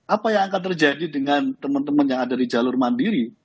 apa yang akan terjadi dengan teman teman yang ada di jalur mandiri